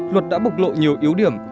luật đã bộc lộ nhiều yếu điểm